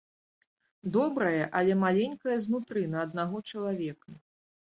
Добрая, але маленькая знутры, на аднаго чалавека.